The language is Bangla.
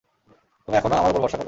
তুমি এখনো আমার উপর ভরসা করো।